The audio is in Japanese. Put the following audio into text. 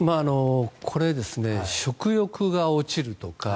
これ、食欲が落ちるとか